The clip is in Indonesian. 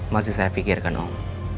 masih saya pikirkan om